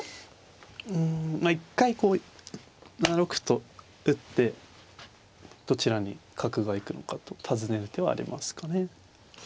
うん一回こう７六歩と打ってどちらに角が行くのかと尋ねる手はありますかね。